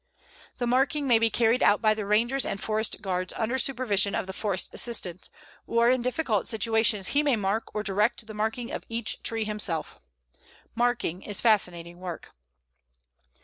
The marking may be carried out by the Rangers and Forest Guards under supervision of the Forest Assistant, or in difficult situations he may mark or direct the marking of each tree himself. Marking is fascinating work.